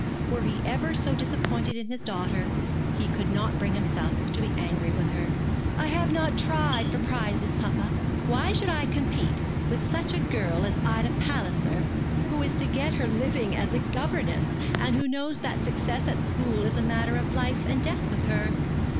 Were he ever so disappointed in his daughter, he could not bring himself to be angry with her. 'I have not tried for prizes, papa. Why should I compete with such a girl as Ida Palliser, who is to get her living as a governess, and who knows that success at school is a matter of life and death with her?'